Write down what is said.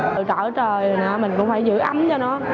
từ trời tới trời mình cũng phải giữ ấm cho nó